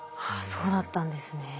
そうだったんですね。